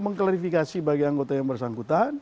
mengklarifikasi bagi anggota yang bersangkutan